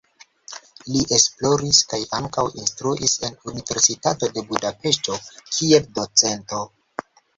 Li esploris kaj ankaŭ instruis en Universitato de Budapeŝto kiel docento.